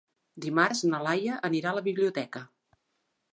Dimarts na Laia anirà a la biblioteca.